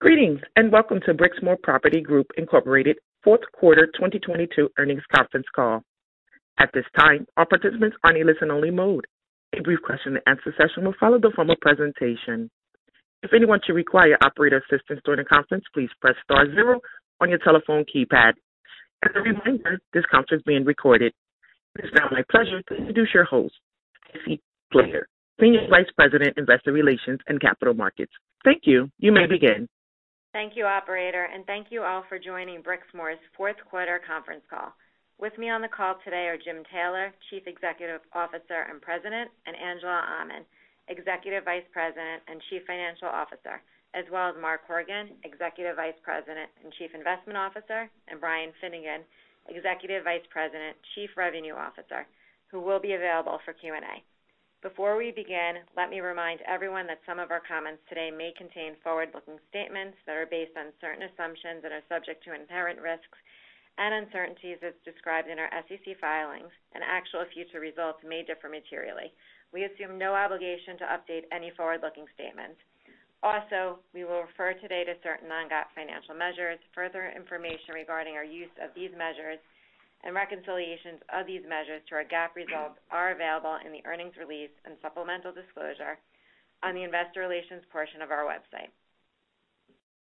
Greetings, and welcome to Brixmor Property Group Inc. Fourth Quarter 2022 Earnings Conference Call. At this time, all participants are in a listen-only mode. A brief question-and-answer session will follow the formal presentation. If anyone should require operator assistance during the conference, please press star zero on your telephone keypad. As a reminder, this conference is being recorded. It is now my pleasure to introduce your host, Stacy Slater, Senior Vice President, Investor Relations and Capital Markets. Thank you. You may begin. Thank you, operator, and thank you all for joining Brixmor's fourth quarter conference call. With me on the call today are Jim Taylor, Chief Executive Officer and President, and Angela Aman, Executive Vice President and Chief Financial Officer, as well as Mark Horgan, Executive Vice President and Chief Investment Officer, and Brian Finnegan, Executive Vice President, Chief Revenue Officer, who will be available for Q&A. Before we begin, let me remind everyone that some of our comments today may contain forward-looking statements that are based on certain assumptions and are subject to inherent risks and uncertainties as described in our SEC filings, and actual future results may differ materially. We assume no obligation to update any forward-looking statements. Also, we will refer today to certain non-GAAP financial measures. Further information regarding our use of these measures and reconciliations of these measures to our GAAP results are available in the earnings release and supplemental disclosure on the investor relations portion of our website.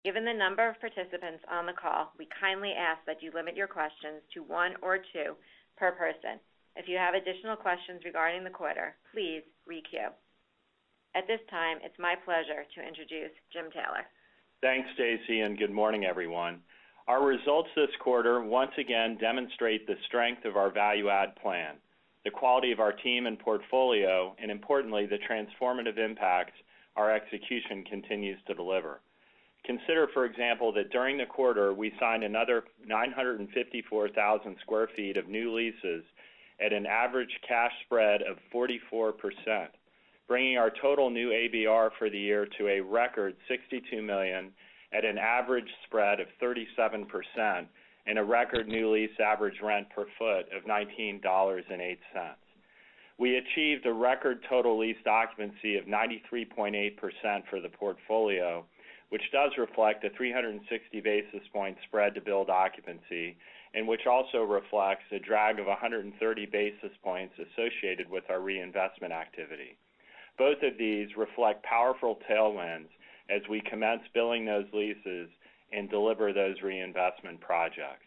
Given the number of participants on the call, we kindly ask that you limit your questions to one or two per person. If you have additional questions regarding the quarter, please re-queue. At this time, it's my pleasure to introduce Jim Taylor. Thanks, Stacy, and good morning, everyone. Our results this quarter once again demonstrate the strength of our value add plan, the quality of our team and portfolio, and importantly, the transformative impact our execution continues to deliver. Consider, for example, that during the quarter, we signed another 954,000 sq ft of new leases at an average cash spread of 44%, bringing our total new ABR for the year to a record $62 million at an average spread of 37% and a record new lease average rent per foot of $19.08. We achieved a record total lease occupancy of 93.8% for the portfolio, which does reflect a 360 basis point spread to build occupancy and which also reflects a drag of 130 basis points associated with our reinvestment activity. Both of these reflect powerful tailwinds as we commence billing those leases and deliver those reinvestment projects.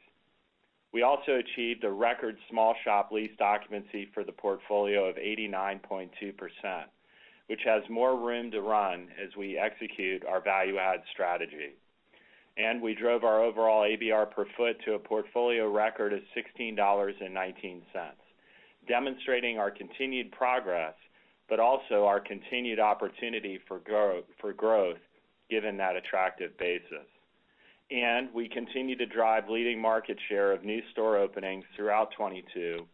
We also achieved a record small shop lease occupancy for the portfolio of 89.2%, which has more room to run as we execute our value add strategy. We drove our overall ABR per foot to a portfolio record of $16.19, demonstrating our continued progress, but also our continued opportunity for grow, for growth given that attractive basis. We continue to drive leading market share of new store openings throughout 2022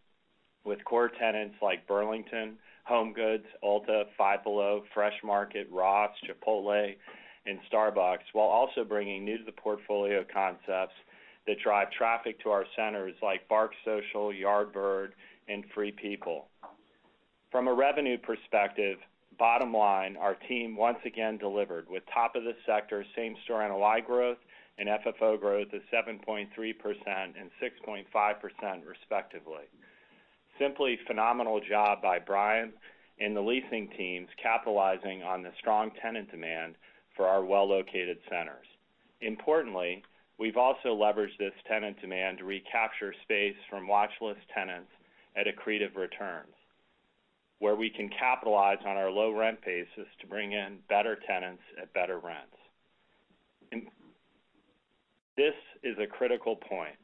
with core tenants like Burlington, HomeGoods, Ulta, Five Below, Fresh Market, Ross, Chipotle, and Starbucks, while also bringing new to the portfolio concepts that drive traffic to our centers like Bark Social, Yardbird, and Free People. From a revenue perspective, bottom line, our team once again delivered with top of the sector same-store NOI growth and FFO growth of 7.3% and 6.5% respectively. Simply phenomenal job by Brian and the leasing teams capitalizing on the strong tenant demand for our well-located centers. Importantly, we've also leveraged this tenant demand to recapture space from watch list tenants at accretive returns, where we can capitalize on our low rent basis to bring in better tenants at better rents. This is a critical point.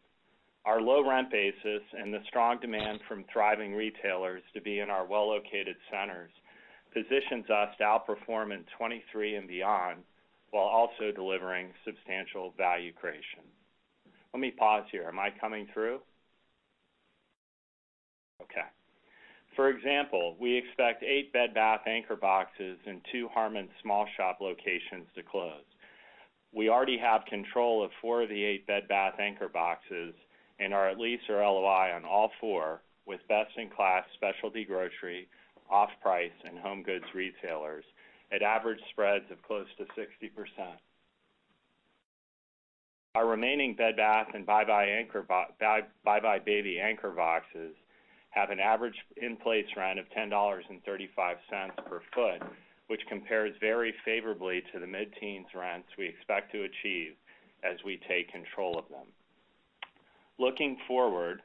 Our low rent basis and the strong demand from thriving retailers to be in our well-located centers positions us to outperform in 2023 and beyond, while also delivering substantial value creation. Let me pause here. Am I coming through? Okay. For example, we expect eight Bed Bath anchor boxes and two Harmon small shop locations to close. We already have control of four of the eight Bed Bath anchor boxes and are at lease or LOI on all four with best-in-class specialty grocery, off-price, and home goods retailers at average spreads of close to 60%. Our remaining Bed Bath & buybuy BABY anchor boxes have an average in-place rent of $10.35 per ft, which compares very favorably to the mid-teens rents we expect to achieve as we take control of them. Looking forward,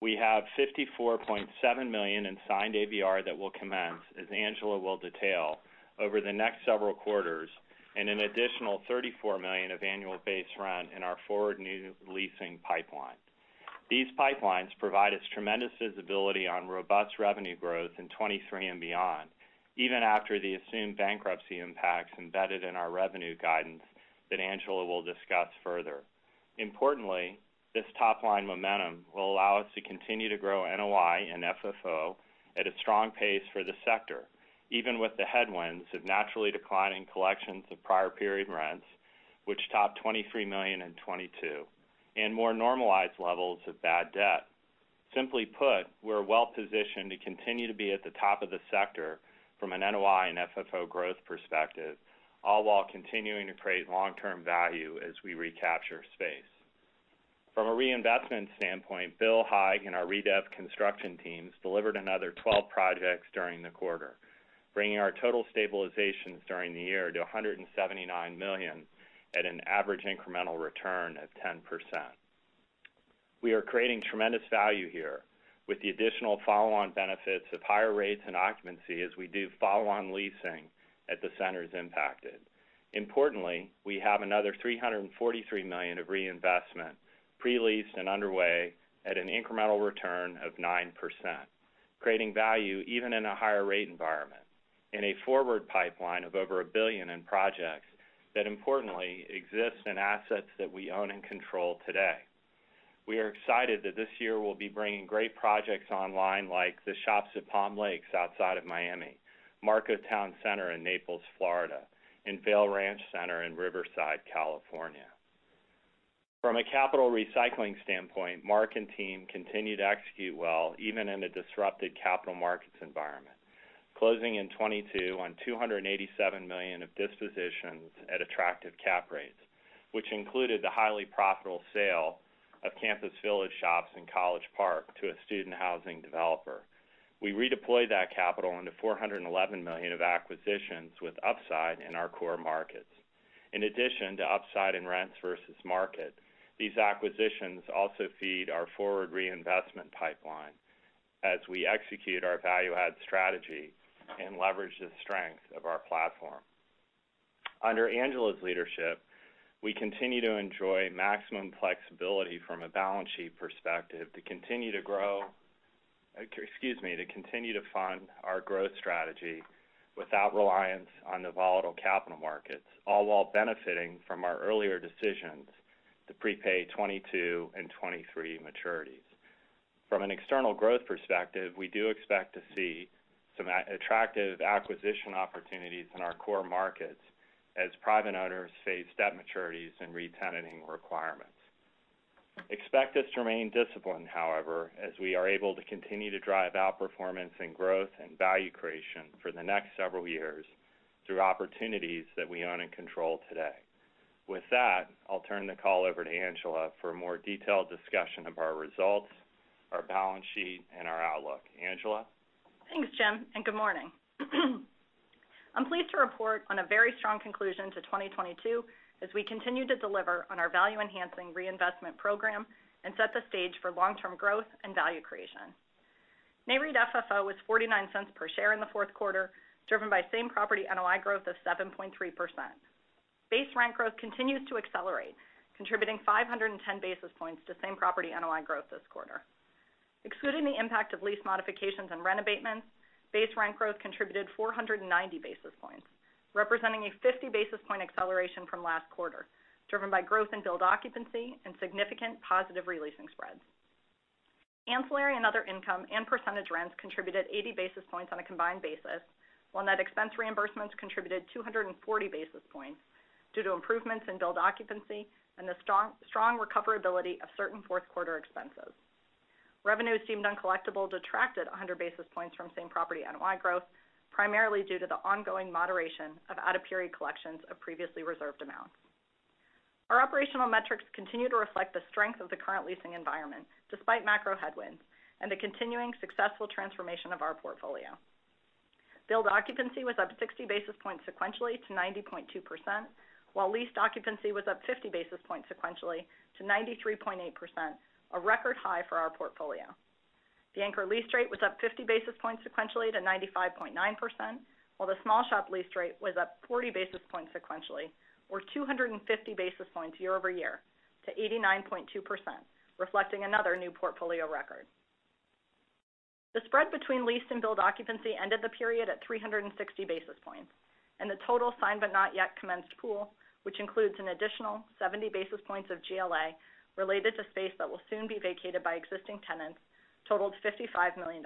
we have $54.7 million in signed ABR that will commence, as Angela will detail, over the next several quarters and an additional $34 million of annual base rent in our forward new leasing pipeline. These pipelines provide us tremendous visibility on robust revenue growth in 2023 and beyond, even after the assumed bankruptcy impacts embedded in our revenue guidance that Angela will discuss further. Importantly, this top-line momentum will allow us to continue to grow NOI and FFO at a strong pace for the sector, even with the headwinds of naturally declining collections of prior period rents, which topped $23 million in 2022, and more normalized levels of bad debt. Simply put, we're well-positioned to continue to be at the top of the sector from an NOI and FFO growth perspective, all while continuing to create long-term value as we recapture space. From a reinvestment standpoint, Bill Brown and our redev construction teams delivered another 12 projects during the quarter, bringing our total stabilizations during the year to $179 million at an average incremental return of 10%. We are creating tremendous value here with the additional follow-on benefits of higher rates and occupancy as we do follow-on leasing at the centers impacted. Importantly, we have another $343 million of reinvestment pre-leased and underway at an incremental return of 9%, creating value even in a higher rate environment, in a forward pipeline of over $1 billion in projects that importantly exist in assets that we own and control today. We are excited that this year we'll be bringing great projects online like the Shops at Palm Lakes outside of Miami, Marco Town Center in Naples, Florida, and Vail Ranch Center in Riverside, California. From a capital recycling standpoint, Mark and team continue to execute well even in a disrupted capital markets environment. Closing in 2022 on $287 million of dispositions at attractive cap rates, which included the highly profitable sale of Campus Village Shops in College Park to a student housing developer. We redeployed that capital into $411 million of acquisitions with upside in our core markets. In addition to upside in rents versus market, these acquisitions also feed our forward reinvestment pipeline as we execute our value add strategy and leverage the strength of our platform. Under Angela's leadership, we continue to enjoy maximum flexibility from a balance sheet perspective to continue to fund our growth strategy without reliance on the volatile capital markets, all while benefiting from our earlier decisions to prepay 2022 and 2023 maturities. From an external growth perspective, we do expect to see some attractive acquisition opportunities in our core markets as private owners face debt maturities and re-tenanting requirements. Expect us to remain disciplined, however, as we are able to continue to drive outperformance and growth and value creation for the next several years through opportunities that we own and control today. With that, I'll turn the call over to Angela for a more detailed discussion of our results, our balance sheet, and our outlook. Angela? Thanks, Jim, and good morning. I'm pleased to report on a very strong conclusion to 2022 as we continue to deliver on our value-enhancing reinvestment program and set the stage for long-term growth and value creation. Nareit FFO was $0.49 per share in the fourth quarter, driven by same property NOI growth of 7.3%. Base rent growth continues to accelerate, contributing 510 basis points to same property NOI growth this quarter. Excluding the impact of lease modifications and rent abatements, base rent growth contributed 490 basis points, representing a 50 basis point acceleration from last quarter, driven by growth in build occupancy and significant positive re-leasing spreads. Ancillary and other income and percentage rents contributed 80 basis points on a combined basis, while net expense reimbursements contributed 240 basis points due to improvements in build occupancy and the strong recoverability of certain fourth quarter expenses. Revenues deemed uncollectible detracted 100 basis points from same property NOI growth, primarily due to the ongoing moderation of out-of-period collections of previously reserved amounts. Our operational metrics continue to reflect the strength of the current leasing environment, despite macro headwinds and the continuing successful transformation of our portfolio. Build occupancy was up 60 basis points sequentially to 90.2%, while leased occupancy was up 50 basis points sequentially to 93.8%, a record high for our portfolio. The anchor lease rate was up 50 basis points sequentially to 95.9%, while the small shop lease rate was up 40 basis points sequentially or 250 basis points year-over-year to 89.2%, reflecting another new portfolio record. The spread between leased and build occupancy ended the period at 360 basis points, and the total signed but not yet commenced pool, which includes an additional 70 basis points of GLA related to space that will soon be vacated by existing tenants, totaled $55 million.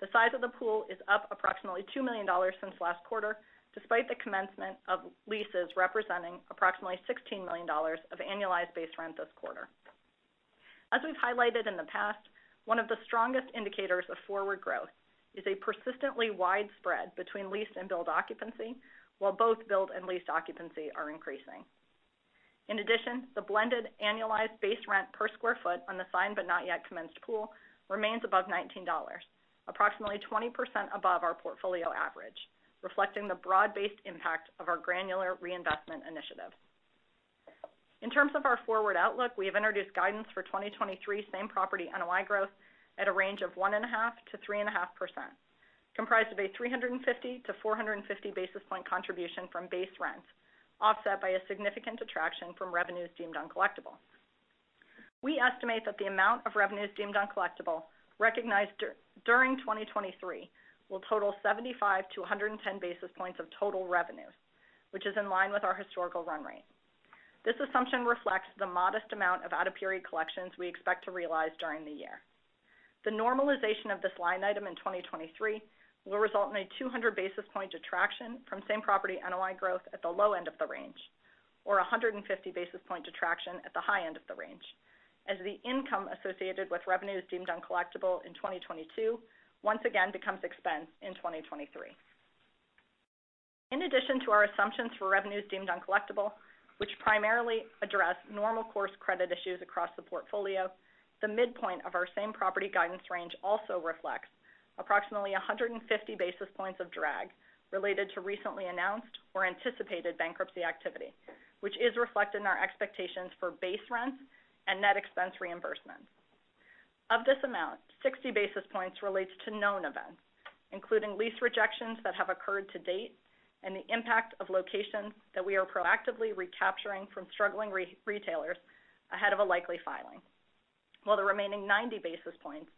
The size of the pool is up approximately $2 million since last quarter, despite the commencement of leases representing approximately $16 million of annualized base rent this quarter. As we've highlighted in the past, one of the strongest indicators of forward growth is a persistently wide spread between leased and build occupancy, while both build and leased occupancy are increasing. In addition, the blended annualized base rent per square foot on the signed but not yet commenced pool remains above $19, approximately 20% above our portfolio average, reflecting the broad-based impact of our granular reinvestment initiative. In terms of our forward outlook, we have introduced guidance for 2023 same property NOI growth at a range of 1.5%-3.5%, comprised of a 350-450 basis point contribution from base rents, offset by a significant attraction from revenues deemed uncollectible. We estimate that the amount of revenues deemed uncollectible recognized during 2023 will total 75-110 basis points of total revenues, which is in line with our historical run rate. This assumption reflects the modest amount of out-of-period collections we expect to realize during the year. The normalization of this line item in 2023 will result in a 200 basis point detraction from same property NOI growth at the low end of the range. A 150 basis point detraction at the high end of the range. As the income associated with revenues deemed uncollectible in 2022 once again becomes expense in 2023. In addition to our assumptions for revenues deemed uncollectible, which primarily address normal course credit issues across the portfolio, the midpoint of our same-property guidance range also reflects approximately 150 basis points of drag related to recently announced or anticipated bankruptcy activity, which is reflected in our expectations for base rents and net expense reimbursement. Of this amount, 60 basis points relates to known events, including lease rejections that have occurred to date and the impact of locations that we are proactively recapturing from struggling re-retailers ahead of a likely filing. While the remaining 90 basis points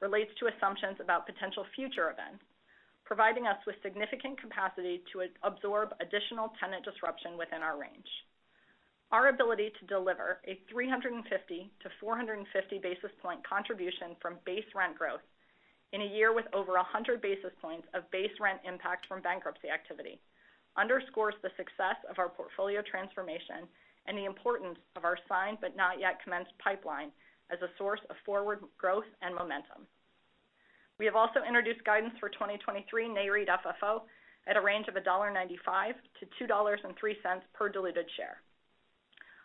relates to assumptions about potential future events, providing us with significant capacity to absorb additional tenant disruption within our range. Our ability to deliver a 350-450 basis point contribution from base rent growth in a year with over 100 basis points of base rent impact from bankruptcy activity underscores the success of our portfolio transformation and the importance of our signed but not yet commenced pipeline as a source of forward growth and momentum. We have also introduced guidance for 2023 Nareit FFO at a range of $1.95-$2.03 per diluted share.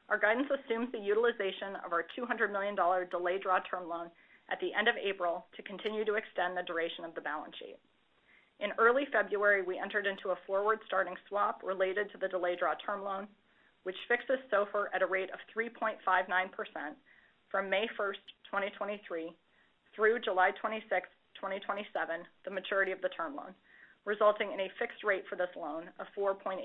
Our guidance assumes the utilization of our $200 million delay draw term loan at the end of April to continue to extend the duration of the balance sheet. In early February, we entered into a forward starting swap related to the delay draw term loan, which fixes SOFR at a rate of 3.59% from May 1, 2023 through July 26, 2027, the maturity of the term loan, resulting in a fixed rate for this loan of 4.88%.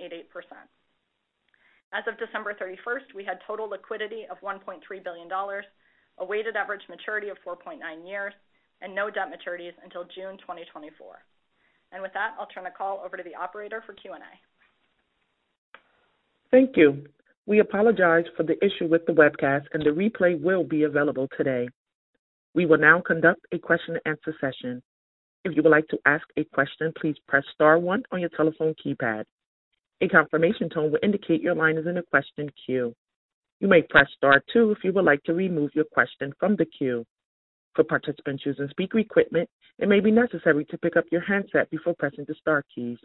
As of December 31, we had total liquidity of $1.3 billion, a weighted average maturity of 4.9 years, and no debt maturities until June 2024. With that, I'll turn the call over to the operator for Q&A. Thank you. We apologize for the issue with the webcast, and the replay will be available today. We will now conduct a question and answer session. If you would like to ask a question, please press star one on your telephone keypad. A confirmation tone will indicate your line is in a question queue. You may press star two if you would like to remove your question from the queue. For participants using speaker equipment, it may be necessary to pick up your handset before pressing the star keys.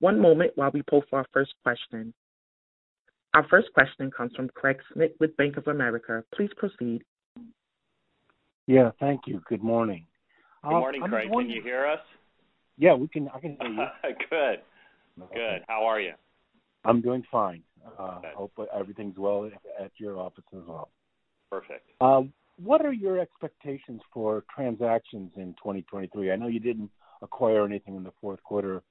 One moment while we poll for our first question. Our first question comes from Craig Schmidt with Bank of America. Please proceed. Yeah, thank you. Good morning. Good morning, Craig. Can you hear us? Yeah, we can. I can hear you. Good. Good. How are you? I'm doing fine. Hopefully everything's well at your office as well. Perfect. What are your expectations for transactions in 2023? I know you didn't acquire anything in the fourth quarter.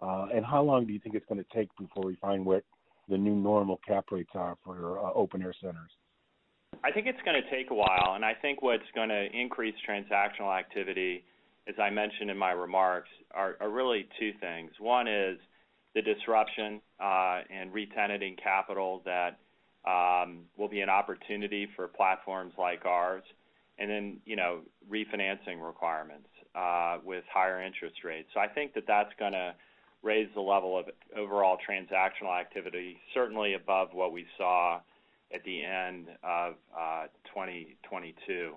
How long do you think it's gonna take before we find what the new normal cap rates are for open-air centers? I think it's gonna take a while, and I think what's gonna increase transactional activity, as I mentioned in my remarks, are really two things. One is the disruption, and retenanting capital that will be an opportunity for platforms like ours and then, you know, refinancing requirements with higher interest rates. I think that that's gonna raise the level of overall transactional activity, certainly above what we saw at the end of 2022.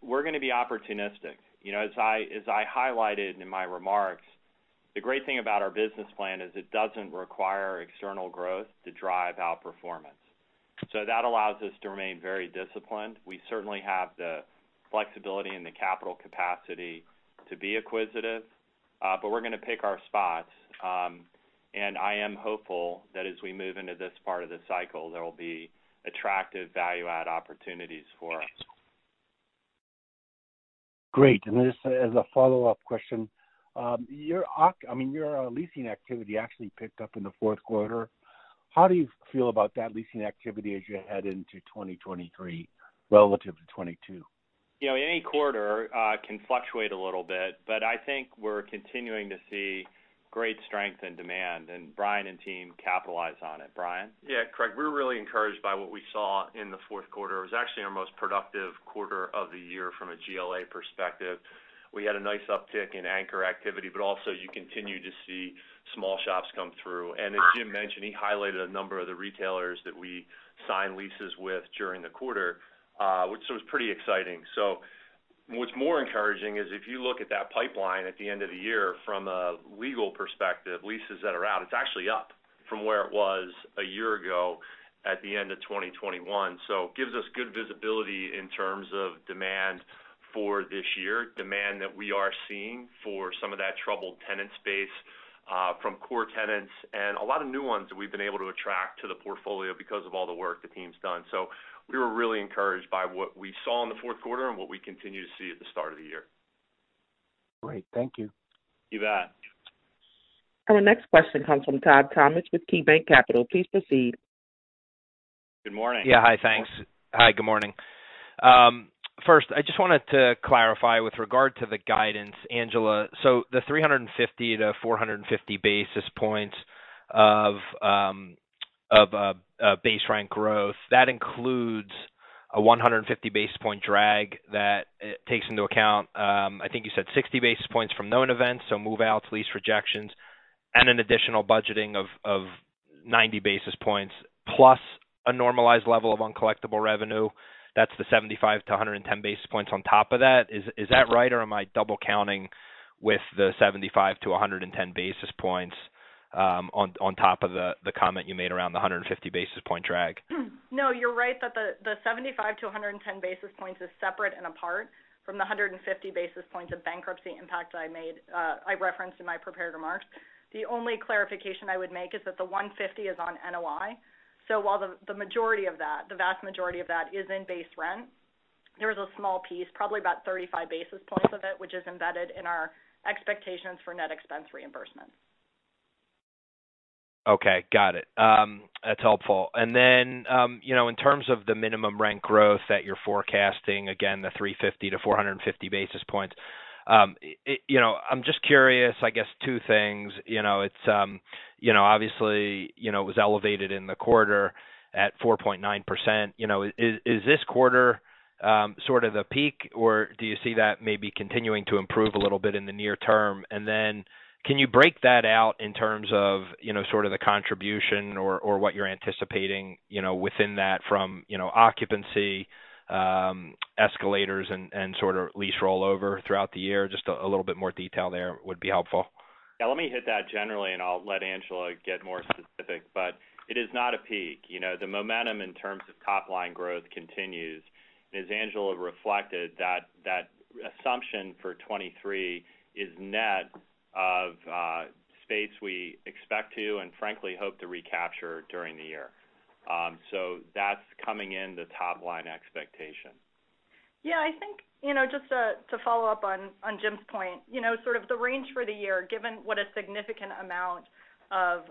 We're gonna be opportunistic. You know, as I highlighted in my remarks, the great thing about our business plan is it doesn't require external growth to drive out performance. That allows us to remain very disciplined. We certainly have the flexibility and the capital capacity to be acquisitive, but we're gonna pick our spots. I am hopeful that as we move into this part of the cycle, there will be attractive value add opportunities for us. Great. Just as a follow-up question, I mean, your leasing activity actually picked up in the fourth quarter. How do you feel about that leasing activity as you head into 2023 relative to 2022? You know, any quarter can fluctuate a little bit, but I think we're continuing to see great strength and demand, and Brian and team capitalize on it. Brian? Yeah, Craig. We're really encouraged by what we saw in the fourth quarter. It was actually our most productive quarter of the year from a GLA perspective. We had a nice uptick in anchor activity, but also you continue to see small shops come through. As Jim mentioned, he highlighted a number of the retailers that we signed leases with during the quarter, which was pretty exciting. What's more encouraging is if you look at that pipeline at the end of the year from a legal perspective, leases that are out, it's actually up from where it was a year ago at the end of 2021. It gives us good visibility in terms of demand for this year, demand that we are seeing for some of that troubled tenant space, from core tenants and a lot of new ones that we've been able to attract to the portfolio because of all the work the team's done. We were really encouraged by what we saw in the fourth quarter and what we continue to see at the start of the year. Great. Thank you. You bet. Our next question comes from Todd Thomas with KeyBanc Capital. Please proceed. Good morning. Hi. Thanks. Hi, good morning. First, I just wanted to clarify with regard to the guidance, Angela. The 350-450 basis points of a base rent growth, that includes a 150 basis point drag that takes into account, I think you said 60 basis points from known events, so move outs, lease rejections, and an additional budgeting of 90 basis points, plus a normalized level of uncollectible revenue. That's the 75-110 basis points on top of that. Is that right, or am I double counting with the 75-110 basis points on top of the comment you made around the 150 basis point drag? No, you're right that the 75-110 basis points is separate and apart from the 150 basis points of bankruptcy impact I referenced in my prepared remarks. The only clarification I would make is that the 150 is on NOI. While the majority of that, the vast majority of that is in base rent, there is a small piece, probably about 35 basis points of it, which is embedded in our expectations for net expense reimbursement. Okay. Got it. That's helpful. Then, you know, in terms of the minimum rent growth that you're forecasting, again, the 350-450 basis points. You know, I'm just curious, I guess two things. You know, it's, you know, obviously, you know, it was elevated in the quarter at 4.9%. You know, is this quarter, sort of the peak, or do you see that maybe continuing to improve a little bit in the near term? Then can you break that out in terms of, you know, sort of the contribution or, what you're anticipating, you know, within that from, you know, occupancy, escalators and, sort of lease rollover throughout the year? Just a little bit more detail there would be helpful. Yeah, let me hit that generally, and I'll let Angela get more specific. It is not a peak. You know, the momentum in terms of top line growth continues. As Angela reflected, that assumption for 2023 is net of space we expect to and frankly hope to recapture during the year. That's coming in the top line expectation. Yeah. I think, you know, just to follow up on Jim's point. You know, sort of the range for the year, given what a significant amount of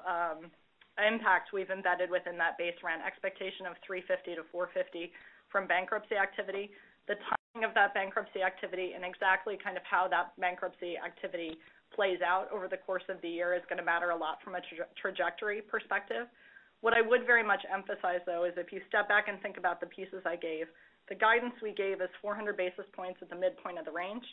impact we've embedded within that base rent expectation of $3.50-$4.50 from bankruptcy activity. The timing of that bankruptcy activity and exactly kind of how that bankruptcy activity plays out over the course of the year is gonna matter a lot from a trajectory perspective. What I would very much emphasize, though, is if you step back and think about the pieces I gave, the guidance we gave is 400 basis points at the midpoint of the range.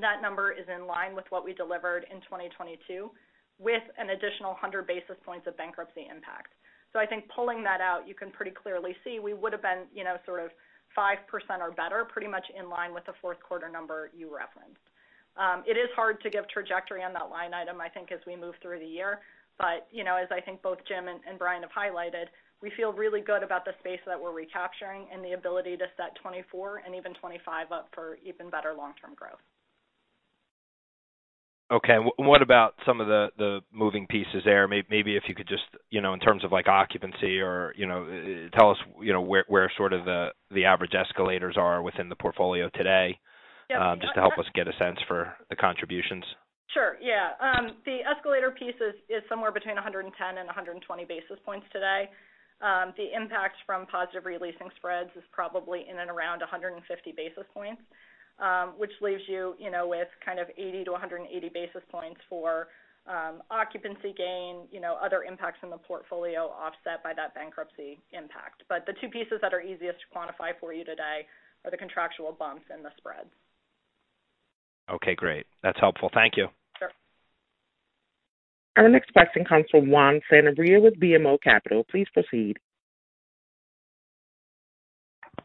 That number is in line with what we delivered in 2022, with an additional 100 basis points of bankruptcy impact. I think pulling that out, you can pretty clearly see we would've been, you know, sort of 5% or better, pretty much in line with the fourth quarter number you referenced. It is hard to give trajectory on that line item, I think, as we move through the year. You know, as I think both Jim Taylor and Brian Finnegan have highlighted, we feel really good about the space that we're recapturing and the ability to set 2024 and even 2025 up for even better long-term growth. Okay. What about some of the moving pieces there? Maybe if you could just, you know, in terms of like occupancy or, you know, tell us, you know, where sort of the average escalators are within the portfolio today. Yeah. Just to help us get a sense for the contributions. Sure. Yeah. The escalator piece is somewhere between 110 and 120 basis points today. The impact from positive re-leasing spreads is probably in and around 150 basis points, which leaves you know, with kind of 80-180 basis points for occupancy gain, you know, other impacts in the portfolio offset by that bankruptcy impact. The two pieces that are easiest to quantify for you today are the contractual bumps and the spreads. Okay, great. That's helpful. Thank you. Sure. Our next question comes from Juan Sanabria with BMO Capital. Please proceed.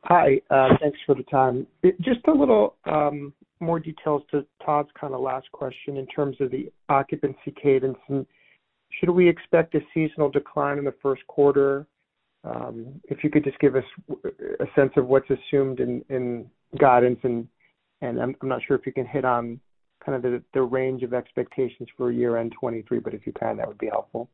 Hi. Thanks for the time. Just a little more details to Todd's kind of last question in terms of the occupancy cadence. Should we expect a seasonal decline in the first quarter? If you could just give us a sense of what's assumed in guidance. I'm not sure if you can hit on kind of the range of expectations for year-end 2023, but if you can, that would be helpful.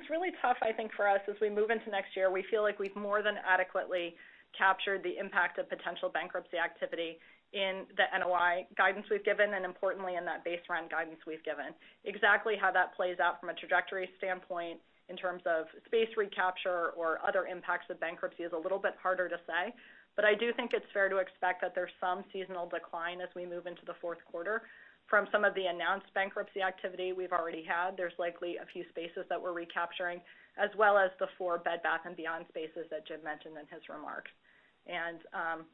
It's really tough, I think, for us as we move into next year. We feel like we've more than adequately captured the impact of potential bankruptcy activity in the NOI guidance we've given, importantly in that base rent guidance we've given. Exactly how that plays out from a trajectory standpoint in terms of space recapture or other impacts of bankruptcy is a little bit harder to say. I do think it's fair to expect that there's some seasonal decline as we move into the fourth quarter. From some of the announced bankruptcy activity we've already had, there's likely a few spaces that we're recapturing, as well as the 4 Bed Bath & Beyond spaces that Jim mentioned in his remarks.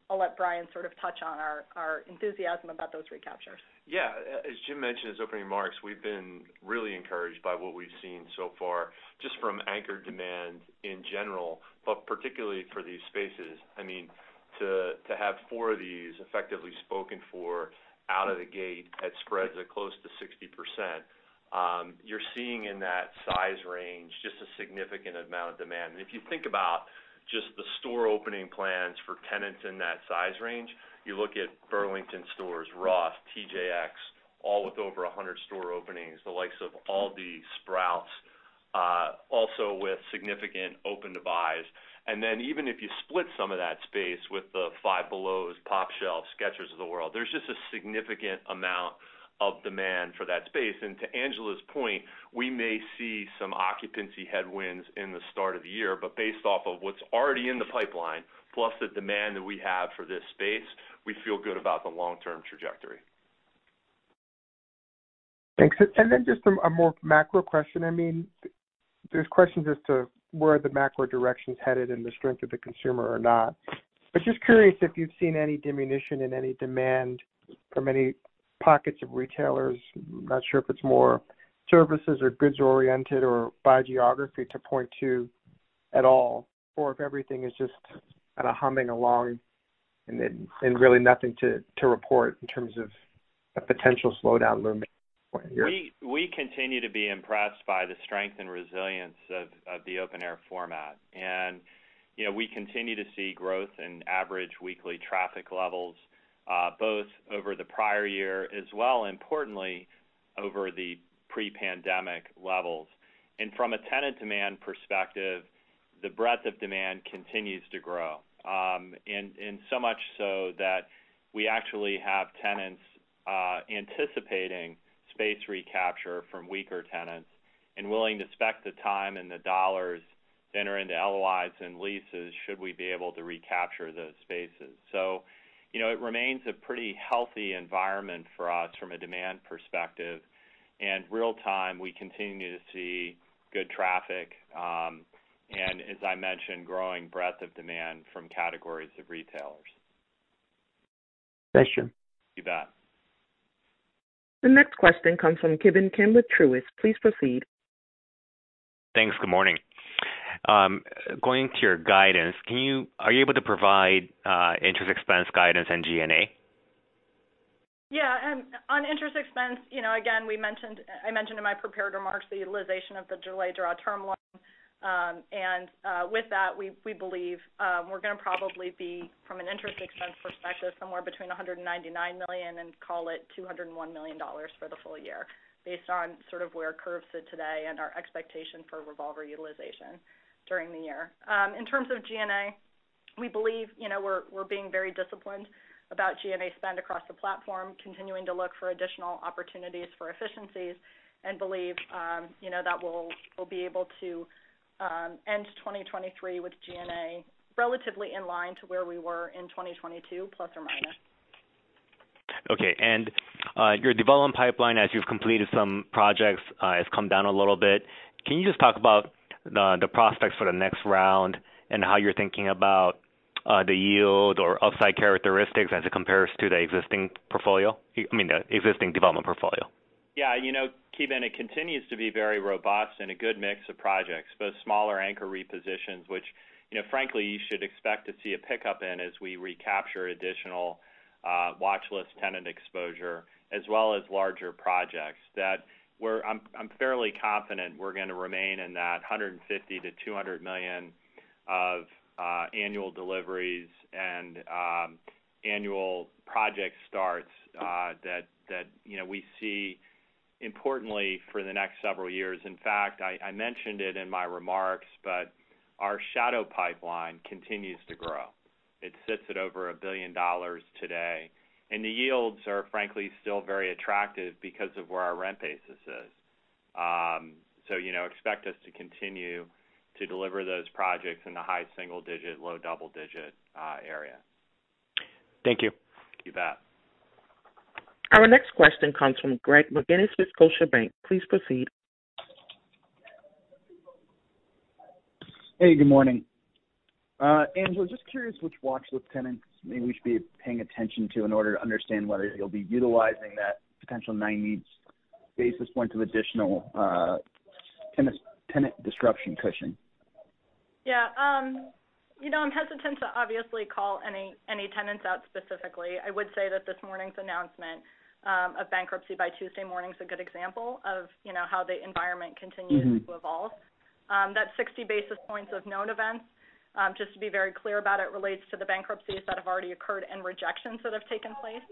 I'll let Brian sort of touch on our enthusiasm about those recaptures. Yeah. As Jim mentioned in his opening remarks, we've been really encouraged by what we've seen so far, just from anchor demand in general, but particularly for these spaces. I mean, to have four of these effectively spoken for out of the gate at spreads of close to 60%, you're seeing in that size range just a significant amount of demand. If you think about just the store opening plans for tenants in that size range, you look at Burlington stores, Ross, TJX, all with over 100 store openings, the likes of ALDI, Sprouts, also with significant open divides. Even if you split some of that space with the Five Below, TopShelf, Skechers of the world, there's just a significant amount of demand for that space. To Angela's point, we may see some occupancy headwinds in the start of the year, but based off of what's already in the pipeline, plus the demand that we have for this space, we feel good about the long-term trajectory. Thanks. Just a more macro question. I mean, there's questions as to where the macro direction's headed and the strength of the consumer or not. I'm just curious if you've seen any diminution in any demand from any pockets of retailers. I'm not sure if it's more services or goods oriented or by geography to point to at all, or if everything is just kind of humming along and really nothing to report in terms of a potential slowdown looming for a year. We continue to be impressed by the strength and resilience of the open air format. You know, we continue to see growth in average weekly traffic levels both over the prior year as well, importantly, over the pre-pandemic levels. From a tenant demand perspective, the breadth of demand continues to grow. So much so that we actually have tenants anticipating space recapture from weaker tenants and willing to spec the time and the dollars to enter into LOIs and leases should we be able to recapture those spaces. You know, it remains a pretty healthy environment for us from a demand perspective. Real time, we continue to see good traffic, and as I mentioned, growing breadth of demand from categories of retailers. Thanks, Jim. You bet. The next question comes from Ki Bin Kim with Truist. Please proceed. Thanks. Good morning. Going to your guidance, are you able to provide interest expense guidance and G&A? Yeah. On interest expense, you know, again, I mentioned in my prepared remarks the utilization of the delayed draw term loan. With that, we believe, we're gonna probably be, from an interest expense perspective, somewhere between $199 million and call it $201 million for the full year based on sort of where curves sit today and our expectation for revolver utilization during the year. In terms of G&A, we believe, you know, we're being very disciplined about G&A spend across the platform, continuing to look for additional opportunities for efficiencies, and believe, you know, that we'll be able to, end 2023 with G&A relatively in line to where we were in 2022, plus or minus. Okay. Your development pipeline, as you've completed some projects, has come down a little bit. Can you just talk about the prospects for the next round and how you're thinking about the yield or upside characteristics as it compares to I mean, the existing development portfolio? Yeah. You know, Ki Bin Kim, it continues to be very robust and a good mix of projects, both smaller anchor repositions, which, you know, frankly, you should expect to see a pickup in as we recapture additional watch list tenant exposure, as well as larger projects that I'm fairly confident we're gonna remain in that $150 million-$200 million of annual deliveries and annual project starts that, you know, we see importantly for the next several years. In fact, I mentioned it in my remarks, but our shadow pipeline continues to grow. It sits at over $1 billion today, and the yields are, frankly, still very attractive because of where our rent basis is. You know, expect us to continue to deliver those projects in the high single digit, low double digit area. Thank you. You bet. Our next question comes from Greg McGinniss with Scotiabank. Please proceed. Hey, good morning. Angela, just curious which watch list tenants maybe we should be paying attention to in order to understand whether you'll be utilizing that potential 90 basis points of additional tenant disruption cushion? Yeah. You know, I'm hesitant to obviously call any tenants out specifically. I would say that this morning's announcement of bankruptcy by Tuesday Morning a good example of, you know, how the environment continues to evolve. That 60 basis points of known events, just to be very clear about it, relates to the bankruptcies that have already occurred and rejections that have taken place.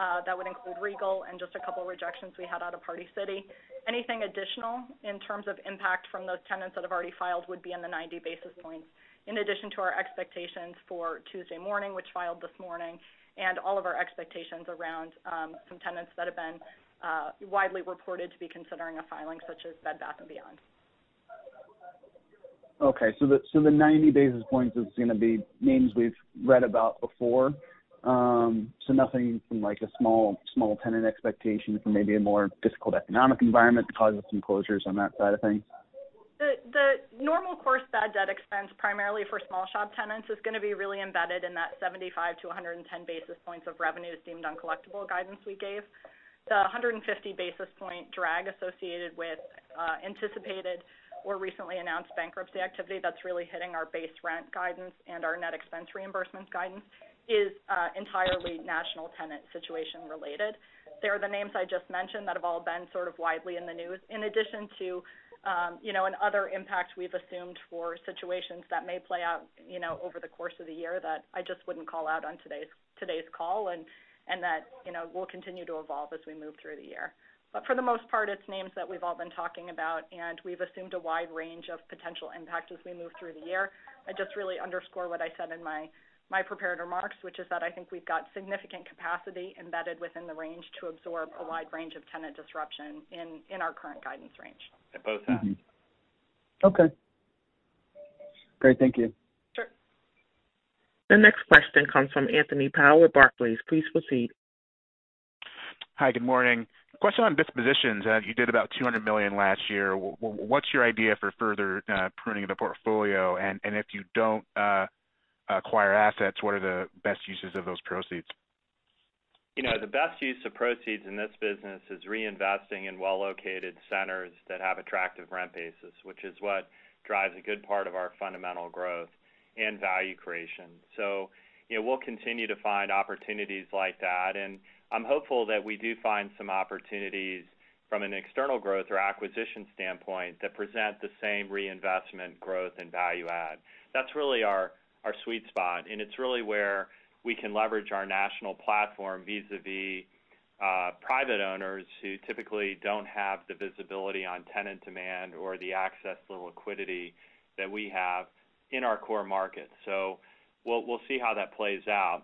That would include Regal and just a couple rejections we had out of Party City. Anything additional in terms of impact from those tenants that have already filed would be in the 90 basis points in addition to our expectations for Tuesday Morning, which filed this morning, and all of our expectations around some tenants that have been widely reported to be considering a filing such as Bed Bath & Beyond. Okay. The 90 basis points is gonna be names we've read about before. Nothing from like a small tenant expectation from maybe a more difficult economic environment to cause some closures on that side of things. The normal course bad debt expense, primarily for small shop tenants, is gonna be really embedded in that 75-110 basis points of revenue deemed uncollectible guidance we gave. The 150 basis point drag associated with anticipated or recently announced bankruptcy activity that's really hitting our base rent guidance and our net expense reimbursements guidance is entirely national tenant situation related. They are the names I just mentioned that have all been sort of widely in the news, in addition to, you know, and other impacts we've assumed for situations that may play out, you know, over the course of the year that I just wouldn't call out on today's call and that, you know, will continue to evolve as we move through the year. For the most part, it's names that we've all been talking about, and we've assumed a wide range of potential impact as we move through the year. I just really underscore what I said in my prepared remarks, which is that I think we've got significant capacity embedded within the range to absorb a wide range of tenant disruption in our current guidance range. At both ends. Okay. Great. Thank you. The next question comes from Anthony Powell at Barclays. Please proceed. Hi. Good morning. Question on dispositions. You did about $200 million last year. What's your idea for further pruning of the portfolio? If you don't acquire assets, what are the best uses of those proceeds? You know, the best use of proceeds in this business is reinvesting in well-located centers that have attractive rent basis, which is what drives a good part of our fundamental growth and value creation. You know, we'll continue to find opportunities like that, and I'm hopeful that we do find some opportunities from an external growth or acquisition standpoint that present the same reinvestment growth and value add. That's really our sweet spot, and it's really where we can leverage our national platform vis-à-vis private owners who typically don't have the visibility on tenant demand or the access to liquidity that we have in our core market. We'll see how that plays out.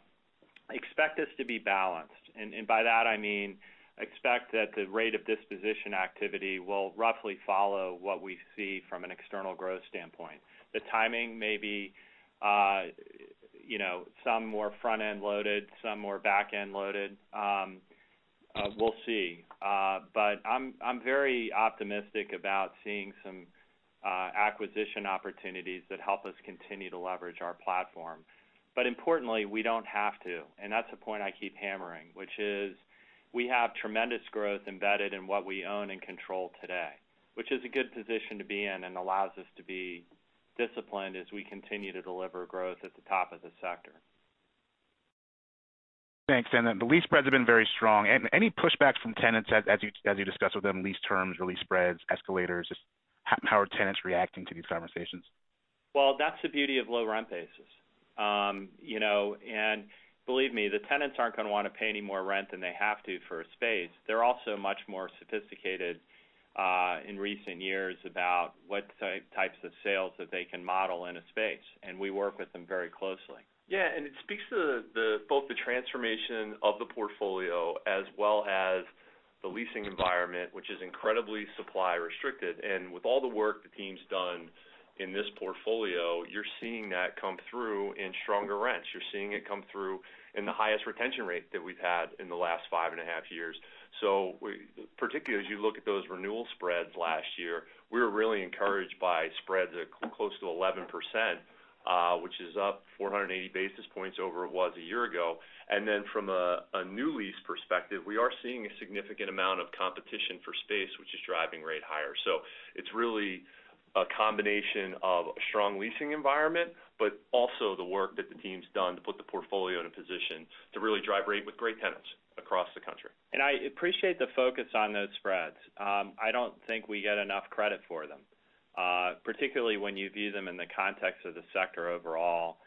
Expect us to be balanced, and by that I mean expect that the rate of disposition activity will roughly follow what we see from an external growth standpoint. The timing may be, you know, some more front-end loaded, some more back-end loaded. We'll see. I'm very optimistic about seeing some acquisition opportunities that help us continue to leverage our platform. Importantly, we don't have to, and that's the point I keep hammering, which is we have tremendous growth embedded in what we own and control today, which is a good position to be in and allows us to be disciplined as we continue to deliver growth at the top of the sector. Thanks. The lease spreads have been very strong. Any pushback from tenants as you discuss with them lease terms or lease spreads, escalators? Just how are tenants reacting to these conversations? That's the beauty of low rent basis. you know, and believe me, the tenants aren't gonna wanna pay any more rent than they have to for a space. They're also much more sophisticated, in recent years about what types of sales that they can model in a space, and we work with them very closely. It speaks to the both the transformation of the portfolio as well as the leasing environment, which is incredibly supply restricted. With all the work the team's done in this portfolio, you're seeing that come through in stronger rents. You're seeing it come through in the highest retention rate that we've had in the last five and a half years. Particularly as you look at those renewal spreads last year, we're really encouraged by spreads at close to 11%, which is up 480 basis points over it was a year ago. Then from a new lease perspective, we are seeing a significant amount of competition for space, which is driving rate higher. It's really a combination of a strong leasing environment, but also the work that the team's done to put the portfolio in a position to really drive rate with great tenants across the country. I appreciate the focus on those spreads. I don't think we get enough credit for them, particularly when you view them in the context of the sector overall,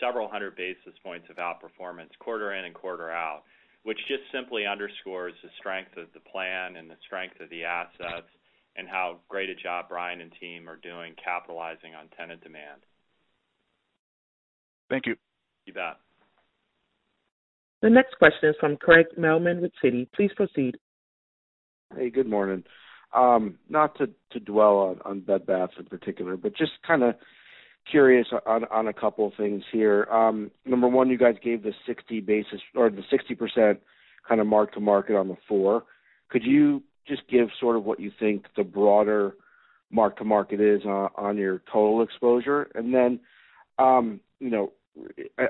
several hundred basis points of outperformance quarter in and quarter out, which just simply underscores the strength of the plan and the strength of the assets and how great a job Brian and team are doing capitalizing on tenant demand. Thank you. You bet. The next question is from Craig Mailman with Citi. Please proceed. Hey, good morning. Not to dwell on Bed Bath in particular, but just kinda curious on a couple of things here. Number one, you guys gave the 60 basis or the 60% kinda mark-to-market on the four. Could you just give sort of what you think the broader mark-to-market is on your total exposure? You know,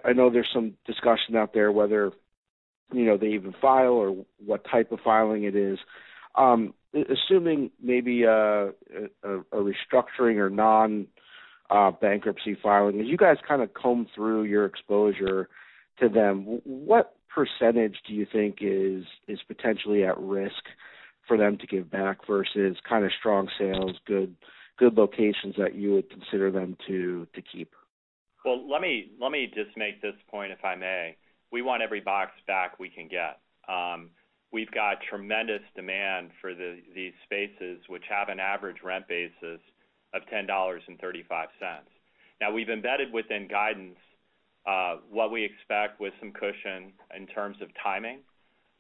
I know there's some discussion out there whether, you know, they even file or what type of filing it is. Assuming maybe a restructuring or non-bankruptcy filing, as you guys kinda comb through your exposure to them, what percentage do you think is potentially at risk for them to give back versus kinda strong sales, good locations that you would consider them to keep? Well, let me just make this point, if I may. We want every box back we can get. We've got tremendous demand for these spaces, which have an average rent basis of $10.35. Now, we've embedded within guidance, what we expect with some cushion in terms of timing.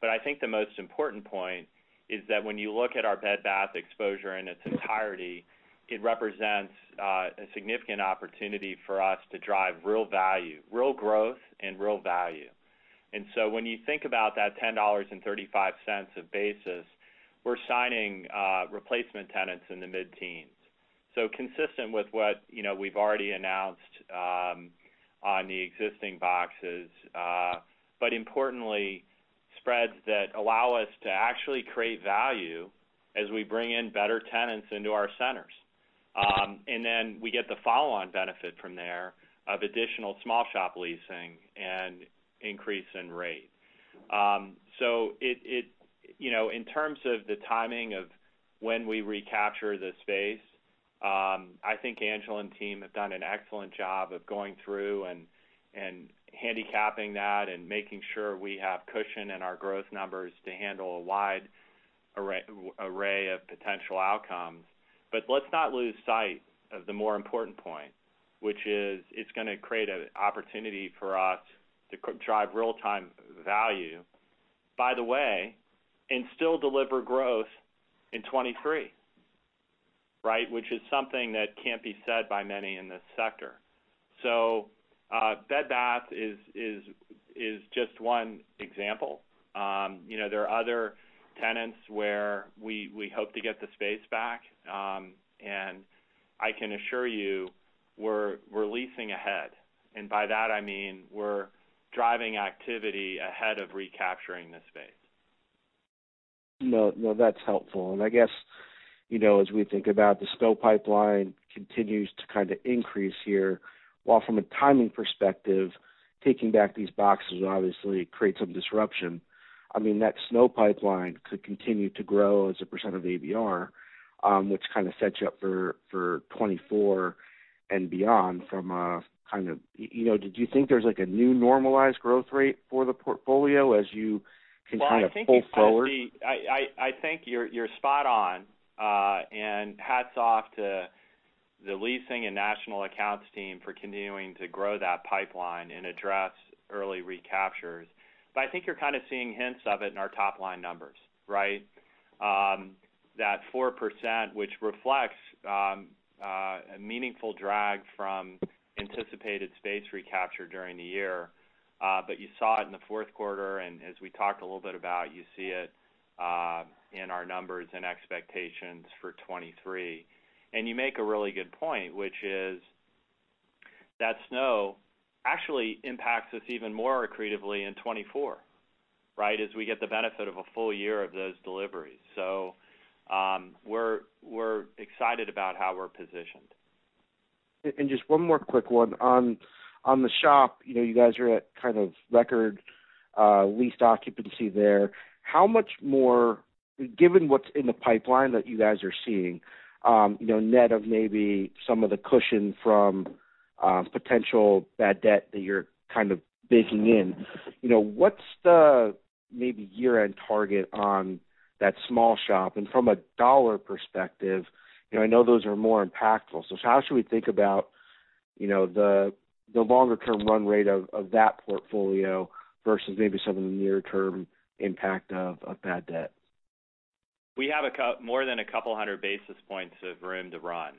I think the most important point is that when you look at our Bed Bath & Beyond exposure in its entirety, it represents a significant opportunity for us to drive real value, real growth and real value. When you think about that $10.35 of basis, we're signing replacement tenants in the mid-teens. Consistent with what, you know, we've already announced, on the existing boxes, but importantly, spreads that allow us to actually create value as we bring in better tenants into our centers. We get the follow-on benefit from there of additional small shop leasing and increase in rate. You know, in terms of the timing of when we recapture the space, I think Angela and team have done an excellent job of going through and handicapping that and making sure we have cushion in our growth numbers to handle a wide array of potential outcomes. Let's not lose sight of the more important point, which is it's gonna create an opportunity for us to drive real-time value, by the way, and still deliver growth in 2023. Right, which is something that can't be said by many in this sector. Bed Bath is just one example. You know, there are other tenants where we hope to get the space back. I can assure you we're leasing ahead, and by that I mean we're driving activity ahead of recapturing the space. No, no, that's helpful. I guess, you know, as we think about the SNO pipeline continues to kind of increase here, while from a timing perspective, taking back these boxes will obviously create some disruption. I mean, that SNO pipeline could continue to grow as a percent of ABR, which kind of sets you up for 2024 and beyond from a kind of... You know, do you think there's like a new normalized growth rate for the portfolio as you can kind of pull forward? Well, I think you're spot on, and hats off to the leasing and national accounts team for continuing to grow that pipeline and address early recaptures. I think you're kind of seeing hints of it in our top line numbers, right? That 4% which reflects a meaningful drag from anticipated space recapture during the year, but you saw it in the fourth quarter, and as we talked a little bit about, you see it in our numbers and expectations for 2023. You make a really good point, which is that SNO actually impacts us even more accretively in 2024, right, as we get the benefit of a full year of those deliveries. We're excited about how we're positioned. Just one more quick one. On the shop, you know, you guys are at kind of record leased occupancy there. How much more, given what's in the pipeline that you guys are seeing, you know, net of maybe some of the cushion from potential bad debt that you're kind of baking in, you know, what's the maybe year-end target on that small shop? From a dollar perspective, you know, I know those are more impactful, so how should we think about, you know, the longer term run rate of that portfolio versus maybe some of the near term impact of bad debt? We have more than a couple 100 basis points of room to run.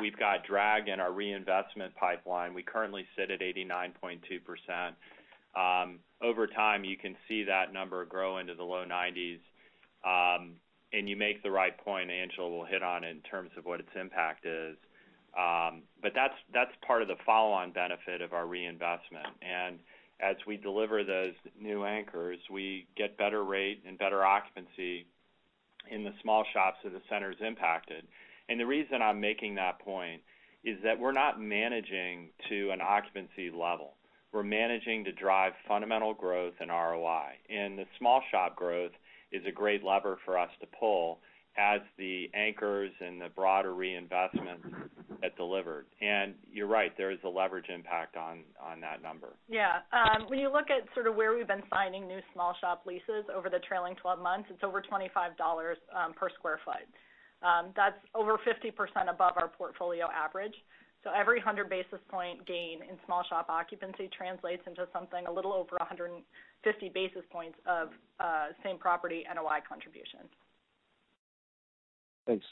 We've got drag in our reinvestment pipeline. We currently sit at 89.2%. Over time, you can see that number grow into the low nineties, and you make the right point, Angela Aman will hit on in terms of what its impact is. That's part of the follow-on benefit of our reinvestment. As we deliver those new anchors, we get better rate and better occupancy in the small shops that the center has impacted. The reason I'm making that point is that we're not managing to an occupancy level. We're managing to drive fundamental growth and ROI. The small shop growth is a great lever for us to pull as the anchors and the broader reinvestment get delivered. You're right, there is a leverage impact on that number. Yeah. When you look at sort of where we've been signing new small shop leases over the trailing 12 months, it's over $25 per sq ft. That's over 50% above our portfolio average. Every 100 basis point gain in small shop occupancy translates into something a little over 150 basis points of same property NOI contribution. Thanks.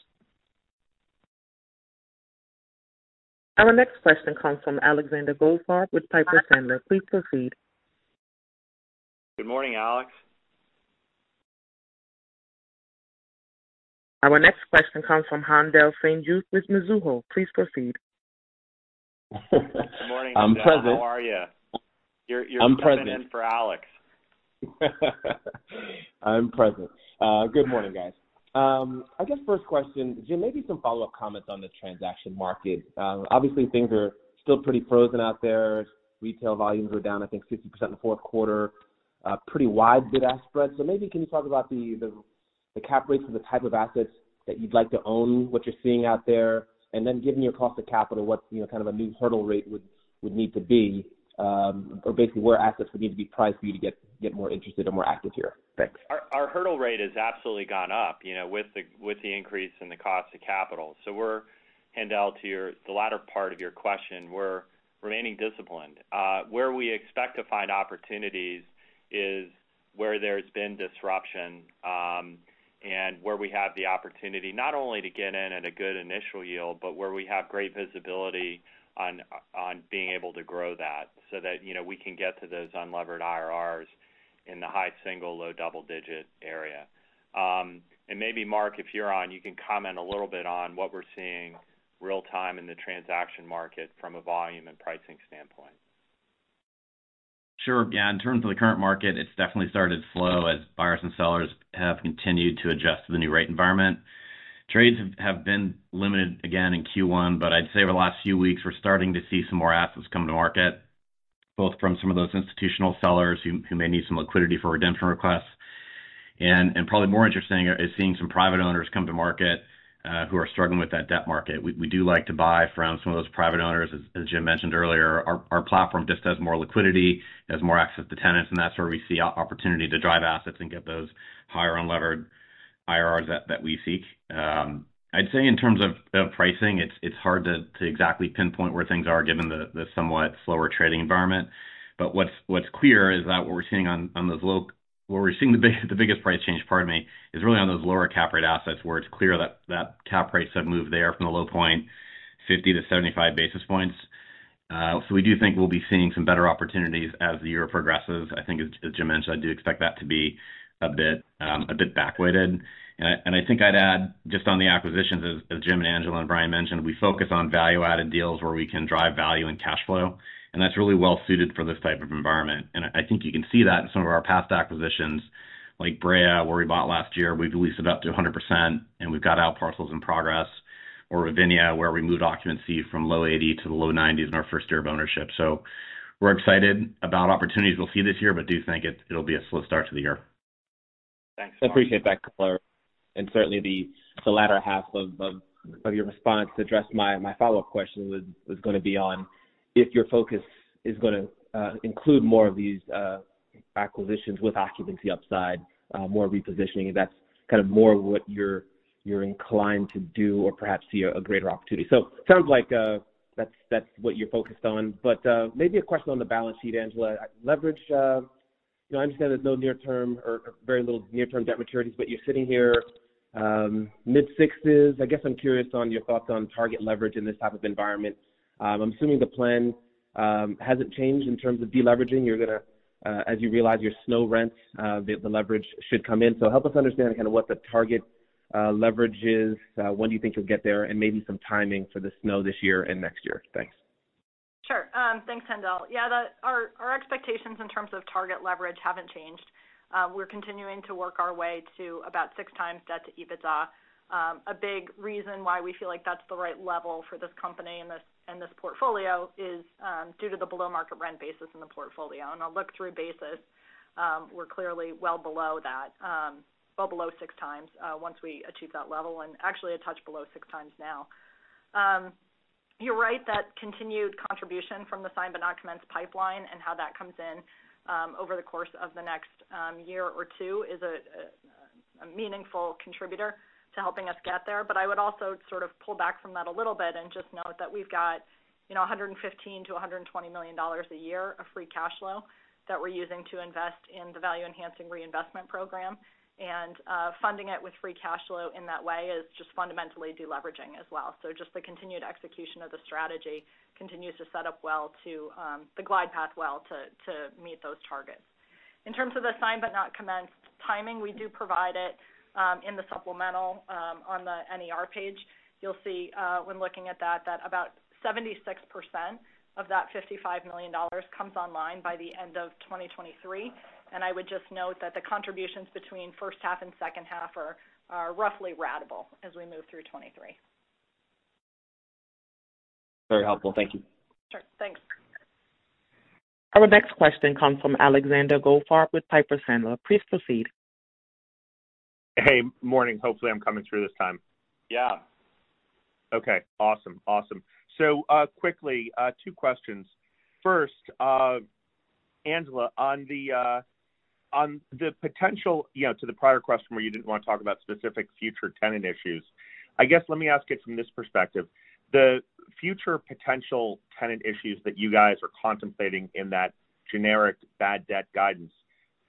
Our next question comes from Alexander Goldfarb with Piper Sandler. Please proceed. Good morning, Alex. Our next question comes from Haendel St. Juste with Mizuho. Please proceed. Good morning, Jim. I'm present. How are you? I'm present, filling in for Alex. Good morning, guys. I guess first question, Jim, maybe some follow-up comments on the transaction market. Obviously things are still pretty frozen out there. Retail volumes are down, I think 60% in the fourth quarter, pretty wide bid-ask spreads. Maybe can you talk about the cap rates of the type of assets that you'd like to own, what you're seeing out there, and then given your cost of capital, what's, you know, kind of a new hurdle rate would need to be, or basically where assets would need to be priced for you to get more interested or more active here. Thanks. Our hurdle rate has absolutely gone up, you know, with the increase in the cost of capital. Handel, to the latter part of your question, we're remaining disciplined. Where we expect to find opportunities is where there's been disruption, and where we have the opportunity not only to get in at a good initial yield, but where we have great visibility on being able to grow that so that, you know, we can get to those unlevered IRRs in the high single-digit, low double-digit area. Maybe Mark, if you're on, you can comment a little bit on what we're seeing real time in the transaction market from a volume and pricing standpoint. Sure. Yeah. In terms of the current market, it's definitely started slow as buyers and sellers have continued to adjust to the new rate environment. Trades have been limited again in Q1, but I'd say over the last few weeks, we're starting to see some more assets come to market, both from some of those institutional sellers who may need some liquidity for redemption requests. Probably more interesting is seeing some private owners come to market who are struggling with that debt market. We do like to buy from some of those private owners. As Jim mentioned earlier, our platform just has more liquidity, has more access to tenants, and that's where we see opportunity to drive assets and get those higher unlevered IRRs that we seek. I'd say in terms of pricing, it's hard to exactly pinpoint where things are given the somewhat slower trading environment. What's clear is that what we're seeing on those low Where we're seeing the biggest price change, pardon me, is really on those lower cap rate assets where it's clear that cap rates have moved there from the low point 50-75 basis points. We do think we'll be seeing some better opportunities as the year progresses. I think as Jim mentioned, I do expect that to be a bit, a bit back weighted. I think I'd add just on the acquisitions as Jim and Angela and Brian mentioned, we focus on value-added deals where we can drive value and cash flow, and that's really well suited for this type of environment. I think you can see that in some of our past acquisitions, like Brea, where we bought last year, we've leased it up to 100% and we've got outparcels in progress. Ravinia, where we moved occupancy from low 80 to the low 90s in our first year of ownership. We're excited about opportunities we'll see this year, but do think it'll be a slow start to the year. Thanks. I appreciate that color. Certainly the latter half of your response addressed my follow-up question was gonna be on if your focus is gonna include more of these acquisitions with occupancy upside, more repositioning, if that's kind of more what you're inclined to do or perhaps see a greater opportunity. Sounds like that's what you're focused on. Maybe a question on the balance sheet, Angela. Leverage, you know, I understand there's no near term or very little near-term debt maturities, but you're sitting here, mid-sixes. I guess I'm curious on your thoughts on target leverage in this type of environment. I'm assuming the plan hasn't changed in terms of deleveraging. You're gonna as you realize your SNO rents, the leverage should come in. Help us understand kind of what the target leverage is, when do you think you'll get there, and maybe some timing for the SNO this year and next year. Thanks. Sure. Thanks, Haendel. Our expectations in terms of target leverage haven't changed. We're continuing to work our way to about 6x debt to EBITDA. A big reason why we feel like that's the right level for this company and this portfolio is due to the below-market rent basis in the portfolio. On a look-through basis, we're clearly well below that, well below 6x, once we achieve that level, and actually a touch below 6x now. You're right that continued contribution from the signed but not commenced pipeline and how that comes in over the course of the next year or two is a meaningful contributor to helping us get there. I would also sort of pull back from that a little bit and just note that we've got, you know, $115 million-$120 million a year of free cash flow that we're using to invest in the value enhancing reinvestment program. Funding it with free cash flow in that way is just fundamentally deleveraging as well. Just the continued execution of the strategy continues to set up well to the glide path well to meet those targets. In terms of the signed but not commenced timing, we do provide it in the supplemental on the NER page. You'll see when looking at that about 76% of that $55 million comes online by the end of 2023. I would just note that the contributions between first half and second half are roughly ratable as we move through 2023. Very helpful. Thank you. Sure. Thanks. Our next question comes from Alexander Goldfarb with Piper Sandler. Please proceed. Hey. Morning. Hopefully, I'm coming through this time. Yeah. Okay. Awesome. Awesome. Quickly, two questions. First, Angela, on the potential, you know, to the prior question where you didn't wanna talk about specific future tenant issues, I guess let me ask it from this perspective. The future potential tenant issues that you guys are contemplating in that generic bad debt guidance,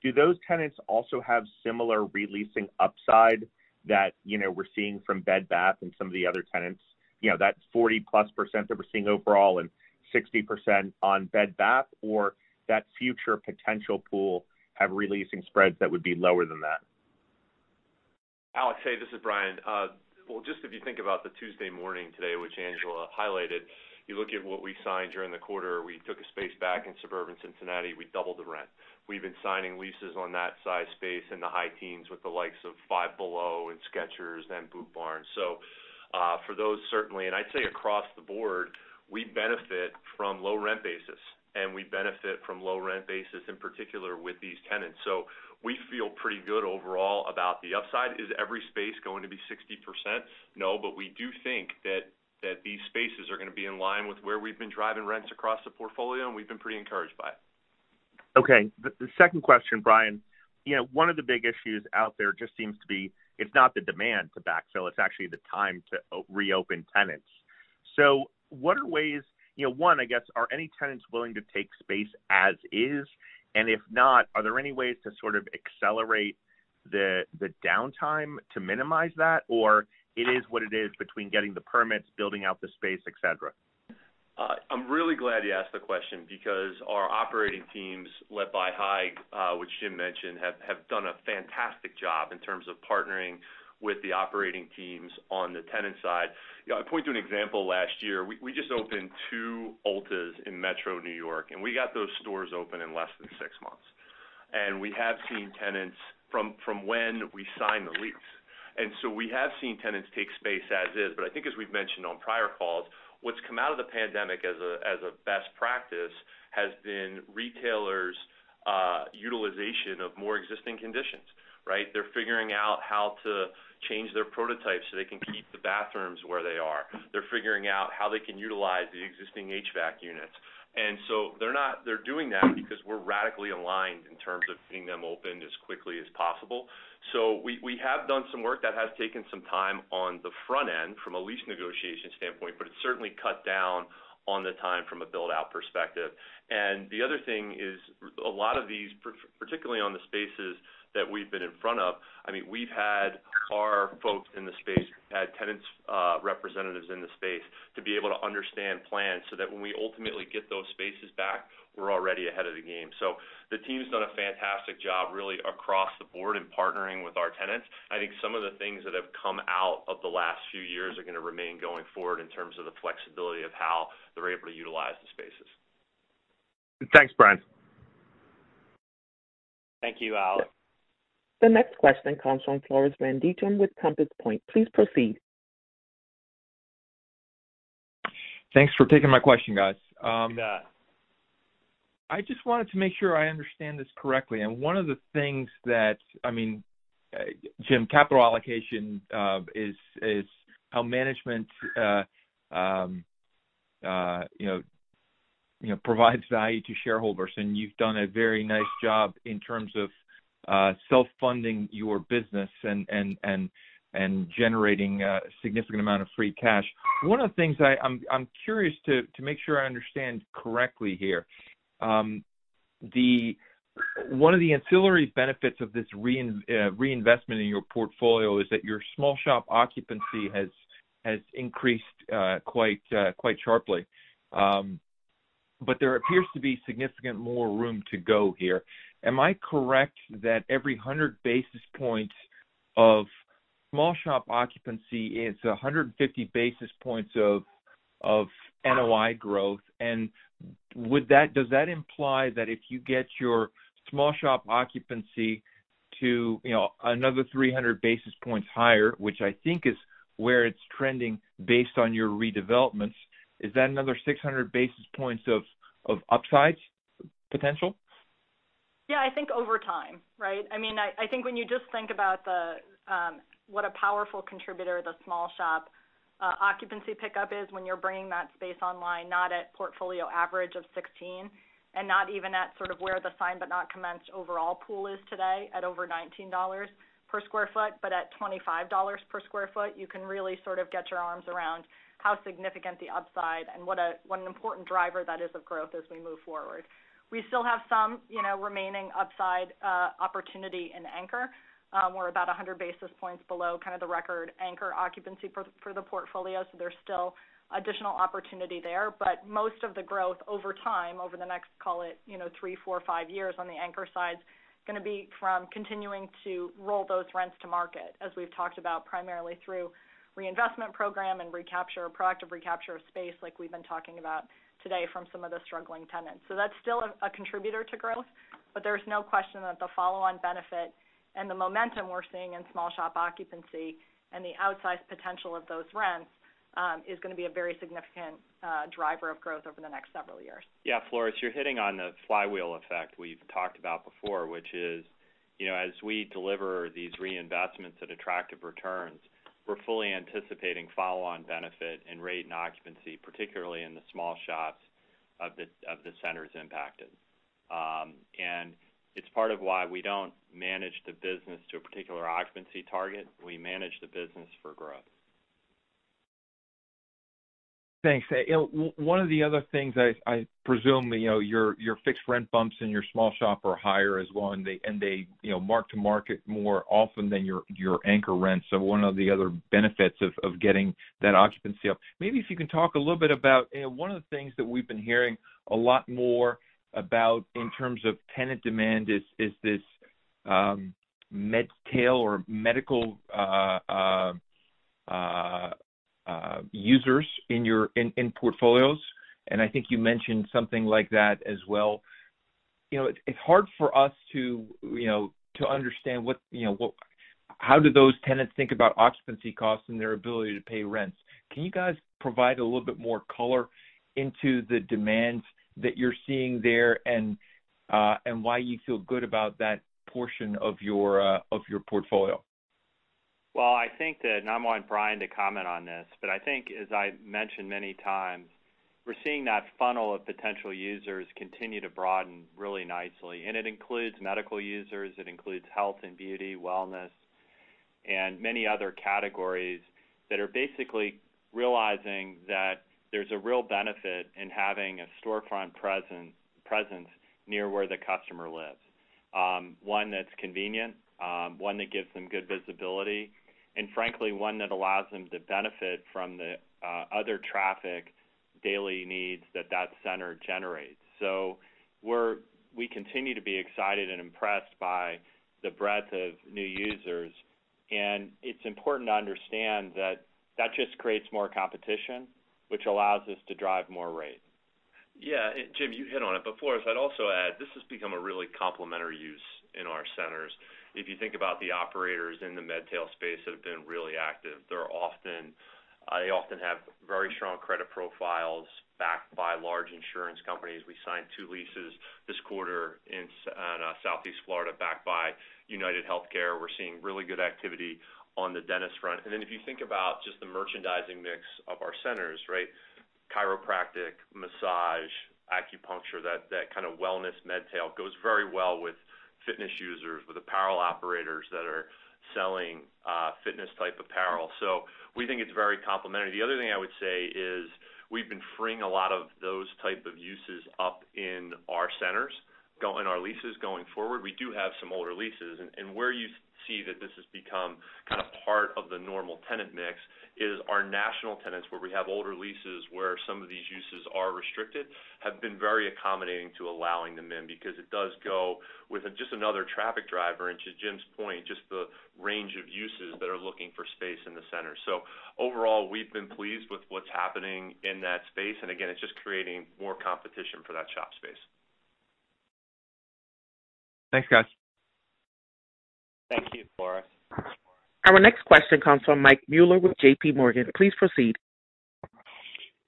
do those tenants also have similar releasing upside that, you know, we're seeing from Bed Bath and some of the other tenants, you know, that 40%+ that we're seeing overall and 60% on Bed Bath, or that future potential pool have releasing spreads that would be lower than that? Alex, hey, this is Brian. just if you think about the Tuesday Morning today, which Angela highlighted, you look at what we signed during the quarter, we took a space back in suburban Cincinnati, we doubled the rent. We've been signing leases on that size space in the high teens with the likes of Five Below and Skechers and Boot Barn. for those, certainly, and I'd say across the board, we benefit from low rent basis, and we benefit from low rent basis in particular with these tenants. We feel pretty good overall about the upside. Is every space going to be 60%? No, but we do think that these spaces are gonna be in line with where we've been driving rents across the portfolio, and we've been pretty encouraged by it. Okay. The second question, Brian, you know, one of the big issues out there just seems to be it's not the demand to backfill, it's actually the time to reopen tenants. What are ways, you know, one, I guess, are any tenants willing to take space as is? If not, are there any ways to sort of accelerate the downtime to minimize that? It is what it is between getting the permits, building out the space, et cetera? I'm really glad you asked the question because our operating teams, led by Haig, which Jim mentioned, have done a fantastic job in terms of partnering with the operating teams on the tenant side. You know, I point to an example last year. We just opened two Ultas in Metro New York. We got those stores open in less than six months. We have seen tenants from when we signed the lease. We have seen tenants take space as is. I think as we've mentioned on prior calls, what's come out of the pandemic as a best practice has been retailers' utilization of more existing conditions, right? They're figuring out how to change their prototype so they can keep the bathrooms where they are. They're figuring out how they can utilize the existing HVAC units. They're doing that because we're radically aligned in terms of getting them opened as quickly as possible. We have done some work that has taken some time on the front end from a lease negotiation standpoint, but it's certainly cut down on the time from a build-out perspective. The other thing is a lot of these, particularly on the spaces that we've been in front of, I mean, we've had our folks in the space had tenant representatives in the space to be able to understand plans so that when we ultimately get those spaces back, we're already ahead of the game. The team's done a fantastic job really across the board in partnering with our tenants. I think some of the things that have come out of the last few years are going to remain going forward in terms of the flexibility of how they're able to utilize the spaces. Thanks, Brian. Thank you, Al. The next question comes from Floris van Dijkum with Compass Point. Please proceed. Thanks for taking my question, guys. Yeah. I just wanted to make sure I understand this correctly. I mean, Jim, capital allocation is how management, you know, provides value to shareholders, and you've done a very nice job in terms of self-funding your business and generating a significant amount of free cash. One of the things I'm curious to make sure I understand correctly here, one of the ancillary benefits of this reinvestment in your portfolio is that your small shop occupancy has increased quite sharply. There appears to be significant more room to go here. Am I correct that every 100 basis points of small shop occupancy is 150 basis points of NOI growth? Does that imply that if you get your small shop occupancy to, you know, another 300 basis points higher, which I think is where it's trending based on your redevelopments, is that another 600 basis points of upside potential? I think over time, right? I mean, I think when you just think about the what a powerful contributor the small shop occupancy pickup is when you're bringing that space online, not at portfolio average of 16, not even at sort of where the Signed But Not Commenced overall pool is today at over $19 per sq ft, but at $25 per sq ft, you can really sort of get your arms around how significant the upside and what an important driver that is of growth as we move forward. We still have some, you know, remaining upside opportunity in Anchor. We're about 100 basis points below kinda the record anchor occupancy for the portfolio, so there's still additional opportunity there. Most of the growth over time, over the next, call it, three, four, five years on the anchor side is gonna be from continuing to roll those rents to market, as we've talked about primarily through reinvestment program and recapture, proactive recapture of space like we've been talking about today from some of the struggling tenants. That's still a contributor to growth, but there's no question that the follow-on benefit and the momentum we're seeing in small shop occupancy and the outsized potential of those rents, is gonna be a very significant driver of growth over the next several years. Yeah, Floris, you're hitting on the flywheel effect we've talked about before, which is, you know, as we deliver these reinvestments at attractive returns, we're fully anticipating follow-on benefit in rate and occupancy, particularly in the small shops of the centers impacted. It's part of why we don't manage the business to a particular occupancy target. We manage the business for growth. Thanks. you know, one of the other things I presume that, you know, your fixed rent bumps in your small shop are higher as well, and they, you know, mark-to-market more often than your anchor rents. One of the other benefits of getting that occupancy up. Maybe if you can talk a little bit about, you know, one of the things that we've been hearing a lot more about in terms of tenant demand is this medtail or medical users in your in portfolios, and I think you mentioned something like that as well. You know, it's hard for us to, you know, to understand how do those tenants think about occupancy costs and their ability to pay rents. Can you guys provide a little bit more color into the demands that you're seeing there and and why you feel good about that portion of your of your portfolio? Well, I think that, and I'm wanting Brian to comment on this, but I think as I've mentioned many times, we're seeing that funnel of potential users continue to broaden really nicely. It includes medical users, it includes health and beauty, wellness, and many other categories that are basically realizing that there's a real benefit in having a storefront presence near where the customer lives. One that's convenient, one that gives them good visibility, and frankly, one that allows them to benefit from the other traffic daily needs that that center generates. We continue to be excited and impressed by the breadth of new users, and it's important to understand that that just creates more competition, which allows us to drive more rate. Yeah. Jim, you hit on it before. I'd also add this has become a really complementary use in our centers. If you think about the operators in the medtail space that have been really active, they often have very strong credit profiles backed by large insurance companies. We signed two leases this quarter in Southeast Florida backed by UnitedHealthcare. We're seeing really good activity on the dentist front. If you think about just the merchandising mix of our centers, right? Chiropractic, massage, acupuncture, that kind of wellness medtail goes very well with fitness users, with apparel operators that are selling fitness type apparel. We think it's very complementary. The other-Say is we've been freeing a lot of those type of uses up in our centers, go in our leases going forward. We do have some older leases, where you see that this has become kind of part of the normal tenant mix is our national tenants, where we have older leases where some of these uses are restricted, have been very accommodating to allowing them in because it does go with just another traffic driver. To Jim's point, just the range of uses that are looking for space in the center. Overall, we've been pleased with what's happening in that space. Again, it's just creating more competition for that shop space. Thanks, guys. Thank you, Floris. Our next question comes from Mike Mueller with JPMorgan. Please proceed.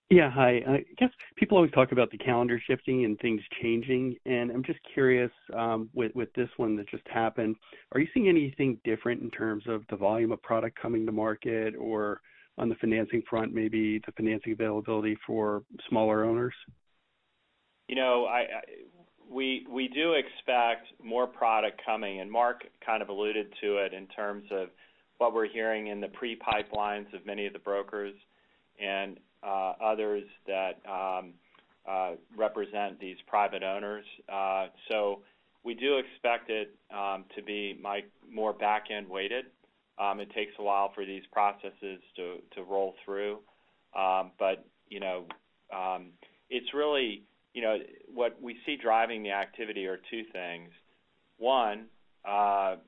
Yeah. Hi. I guess people always talk about the calendar shifting and things changing. I'm just curious, with this one that just happened, are you seeing anything different in terms of the volume of product coming to market or on the financing front, maybe the financing availability for smaller owners? You know, we do expect more product coming, Mark kind of alluded to it in terms of what we're hearing in the pre-pipelines of many of the brokers and others that represent these private owners. We do expect it to be my more back-end weighted. It takes a while for these processes to roll through. You know, it's really, you know, what we see driving the activity are two things. One,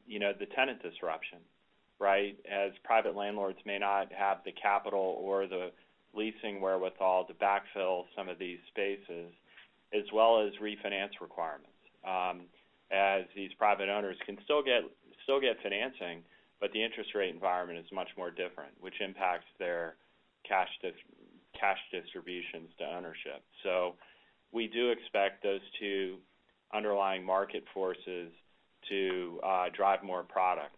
you know, the tenant disruption, right? As private landlords may not have the capital or the leasing wherewithal to backfill some of these spaces, as well as refinance requirements, as these private owners can still get financing, but the interest rate environment is much more different, which impacts their cash distributions to ownership. We do expect those two underlying market forces to drive more product.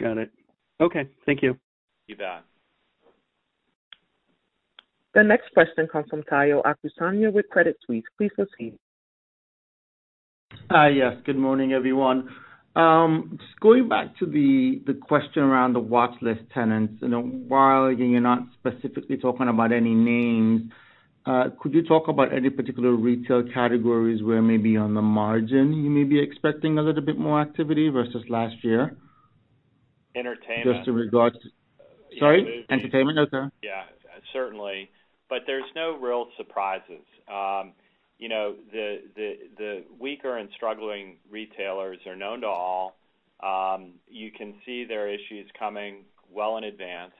Got it. Okay. Thank you. You bet. The next question comes from Tayo Okusanya with Credit Suisse. Please proceed. Hi. Yes, good morning, everyone. just going back to the question around the watchlist tenants. While you're not specifically talking about any names, could you talk about any particular retail categories where maybe on the margin you may be expecting a little bit more activity versus last year? Entertainment. Just in regards to... Sorry. Entertainment? Okay. Yeah, certainly. There's no real surprises. You know, the weaker and struggling retailers are known to all. You can see their issues coming well in advance.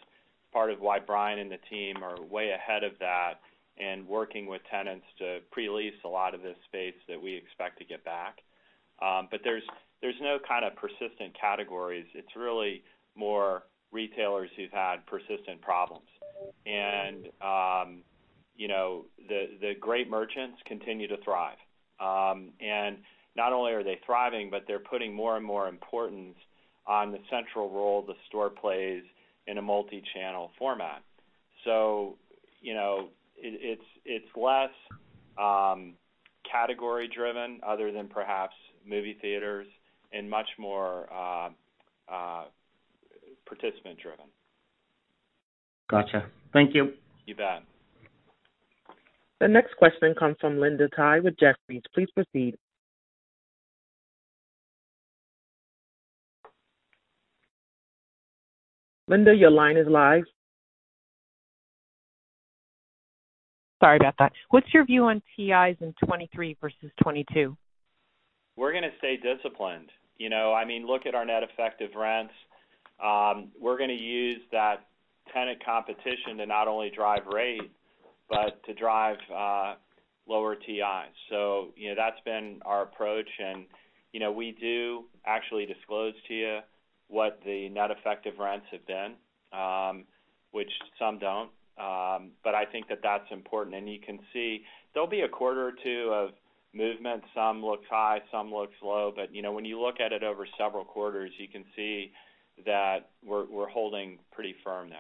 Part of why Brian and the team are way ahead of that and working with tenants to pre-lease a lot of this space that we expect to get back. There's no kind of persistent categories. It's really more retailers who've had persistent problems. You know, the great merchants continue to thrive. Not only are they thriving, but they're putting more and more importance on the central role the store plays in a multi-channel format. You know, it's less category-driven other than perhaps movie theaters and much more participant driven. Gotcha. Thank you. You bet. The next question comes from Linda Tsai with Jefferies. Please proceed. Linda, your line is live. Sorry about that. What's your view on TIs in 2023 versus 2022? We're gonna stay disciplined. You know, I mean, look at our net effective rents. We're gonna use that tenant competition to not only drive rate, but to drive lower TIs. You know, that's been our approach. You know, we do actually disclose to you what the net effective rents have been, which some don't. I think that that's important. You can see there'll be a quarter or two of movement. Some look high, some look low, you know, when you look at it over several quarters, you can see that we're holding pretty firm there.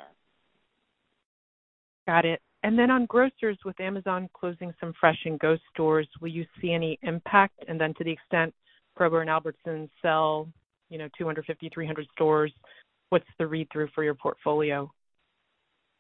Got it. On grocers, with Amazon closing some Fresh and Go stores, will you see any impact? To the extent Kroger and Albertsons sell, you know, 250, 300 stores, what's the read-through for your portfolio?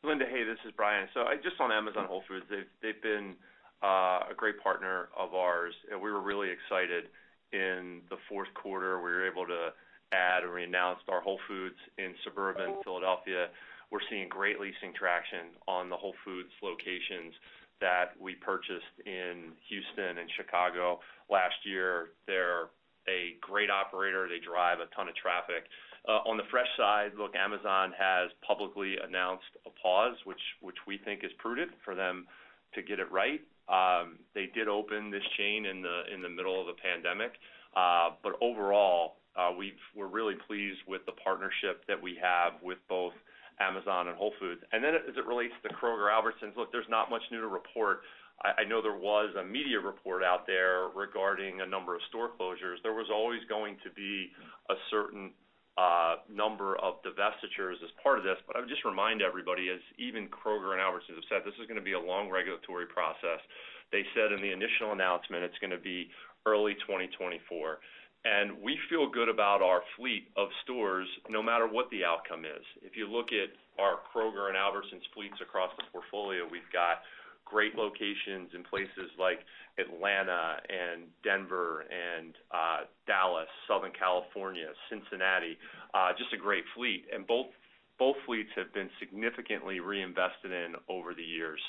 Linda, hey, this is Brian. Just on Amazon Whole Foods, they've been a great partner of ours. We were really excited. In the fourth quarter, we were able to add or we announced our Whole Foods in suburban Philadelphia. We're seeing great leasing traction on the Whole Foods locations that we purchased in Houston and Chicago last year. They're a great operator. They drive a ton of traffic. On the fresh side, look, Amazon has publicly announced a pause, which we think is prudent for them to get it right. They did open this chain in the middle of a pandemic. Overall, we're really pleased with the partnership that we have with both Amazon and Whole Foods. Then as it relates to Kroger and Albertsons, look, there's not much new to report. I know there was a media report out there regarding a number of store closures. There was always going to be a certain number of divestitures as part of this. I would just remind everybody, as even Kroger and Albertsons have said, this is gonna be a long regulatory process. They said in the initial announcement, it's gonna be early 2024. We feel good about our fleet of stores no matter what the outcome is. If you look at our Kroger and Albertsons fleets across the portfolio, we've got great locations in places like Atlanta and Denver and Dallas, Southern California, Cincinnati. Just a great fleet. Both fleets have been significantly reinvested in over the years.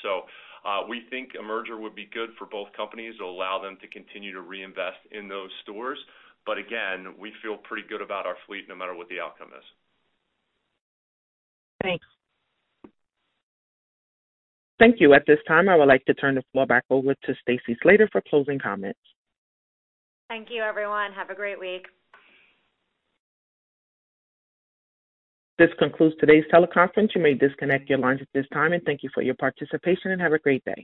We think a merger would be good for both companies. It'll allow them to continue to reinvest in those stores. Again, we feel pretty good about our fleet no matter what the outcome is. Thanks. Thank you. At this time, I would like to turn the floor back over to Stacy Slater for closing comments. Thank you, everyone. Have a great week. This concludes today's teleconference. You may disconnect your lines at this time. Thank you for your participation, and have a great day.